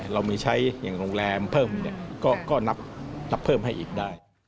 เรามีใช้อย่างโรงแรมเพิ่มก็นับเพิ่มให้อีกได้